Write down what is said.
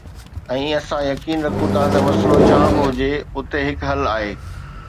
۽ اسان يقين رکون ٿا ته مسئلو ڇا به هجي، اتي هڪ حل آهي